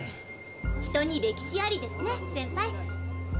人に歴史ありですねセンパイ。